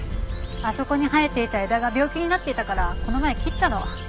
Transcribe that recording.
あそこに生えていた枝が病気になっていたからこの前切ったの。